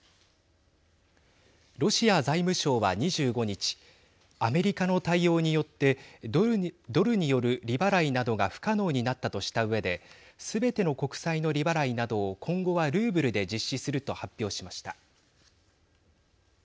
ロシア財務省は２５日アメリカの対応によってドルによる利払いなどが不可能になったとしたうえですべての国債の利払いなどを今後はルーブルで実施すると発表しました。